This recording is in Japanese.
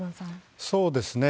そうですね。